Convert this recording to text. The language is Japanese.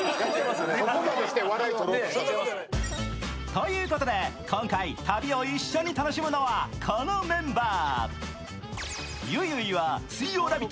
ということで今回旅を一緒に楽しむのはこのメンバー。